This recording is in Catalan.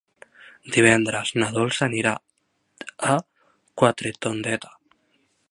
Divendres na Dolça anirà a Quatretondeta.